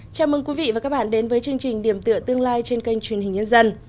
chào mừng quý vị và các bạn đến với chương trình điểm tựa tương lai trên kênh truyền hình nhân dân